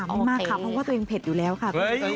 เพราะว่าตัวเองเผ็ดอยู่แล้วค่ะ